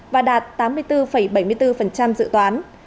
và đạt tám mươi bốn bảy mươi bốn dự toán